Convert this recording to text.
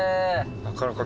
なかなか。